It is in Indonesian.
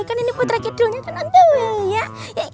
kan ini putra kidulnya kan on the way ya